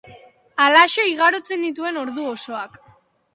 Halaxe igarotzen nituen ordu osoak.